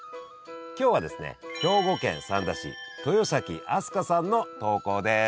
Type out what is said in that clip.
今日はですね兵庫県三田市豊崎あすかさんの投稿です。